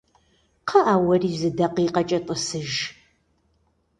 КхъыӀэ, уэри зы дакъикъэкӀэ тӀысыж.